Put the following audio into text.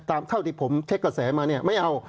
เท่าที่ผมเช็คกระแสมาเนี่ยไม่เอา